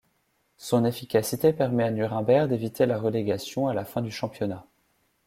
Son efficacité permet à Nuremberg d’éviter la relégation à la fin du championnat.